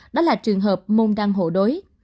đó là trường hợp môn đăng hộ đối